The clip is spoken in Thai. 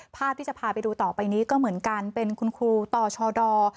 ภาพที่จะพาไปดูต่อไปนี้ก็เหมือนกันเป็นคุณครูต่อชด